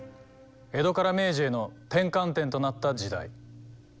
江戸から明治への転換点となった時代。